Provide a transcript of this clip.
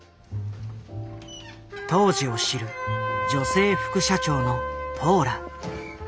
当時を知る女性副社長のポーラ。